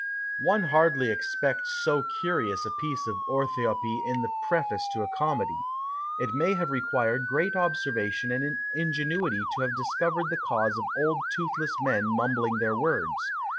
One hardly expects so curious a piece of orthoÃḋpy in the preface to a comedy. It may have required great observation and ingenuity to have discovered the cause of old toothless men mumbling their words.